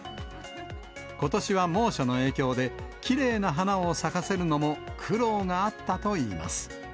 ことしは猛暑の影響で、きれいな花を咲かせるのも苦労があったといいます。